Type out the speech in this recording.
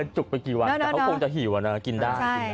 จุกไปกี่วันแต่เขาคงจะหิวอะนะกินได้